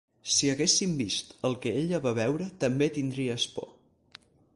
Si haguéssim vist el que ella va veure també tindries por